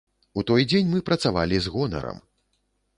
У той дзень мы працавалі з гонарам.